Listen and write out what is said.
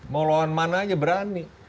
mau lawan mana aja berani